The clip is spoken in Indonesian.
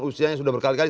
usianya sudah berkali kali